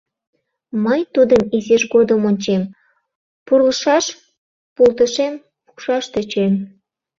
— Мый тудым изиж годым ончем, пурлшаш пултышем пукшаш тӧчем.